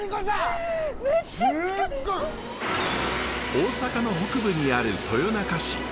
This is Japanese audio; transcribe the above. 大阪の北部にある豊中市。